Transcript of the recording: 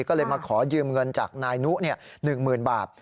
ก็เลยมาขอยืมเงินจากนายนุ๑๐๐๐บาท